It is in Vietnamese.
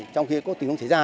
trong khi có tỉnh không xảy ra